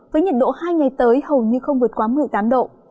với nhiệt độ hai ngày tới hầu như không vượt quá một mươi tám độ